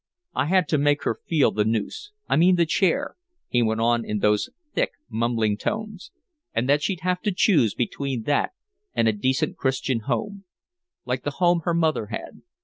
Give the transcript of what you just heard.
"I had to make her feel the noose, I mean the chair," he went on in those thick, mumbling tones, "and that she'd have to choose between that and a decent Christian home like the home her mother had.